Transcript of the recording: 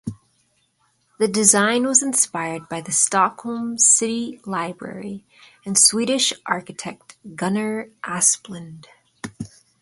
The design was inspired by the Stockholm City Library and Swedish architect Gunnar Asplund.